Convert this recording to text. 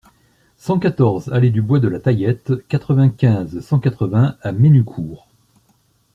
cent quatorze allée du Bois de la Taillette, quatre-vingt-quinze, cent quatre-vingts à Menucourt